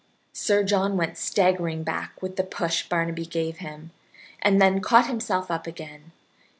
Sir John went staggering back with the push Barnaby gave him, and then caught himself up again.